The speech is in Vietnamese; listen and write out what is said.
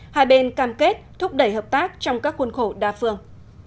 hai bên cam kết thúc đẩy hợp tác trong các khuôn khổ đa phương